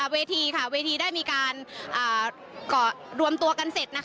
เวทีค่ะเวทีได้มีการรวมตัวกันเสร็จ